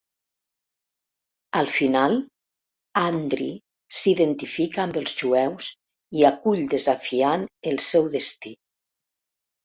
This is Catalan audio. Al final, Andri s'identifica amb els jueus i acull desafiant el seu destí.